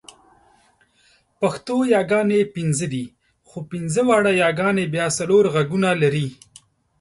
پښتو یاګانې پنځه دي، خو پنځه واړه یاګانې بیا څلور غږونه لري.